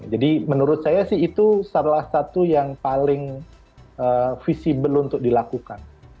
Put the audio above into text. jadi menurut saya sih itu salah satu yang paling visible untuk dilakukan